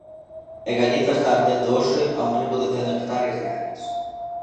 E Galiza está ardendo hoxe a un ritmo de cen hectáreas diarias.